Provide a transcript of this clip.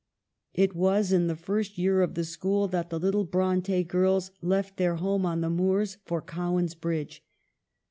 It was in the first year of the school that the little Bronte girls left their home on the moors CO IVAN'S BRIDGE. 43 for Cowan's Bridge.